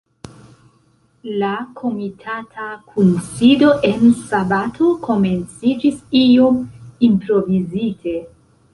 La komitata kunsido en sabato komenciĝis iom improvizite.